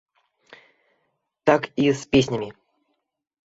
Так і з песнямі.